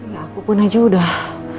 ya aku pun aja udah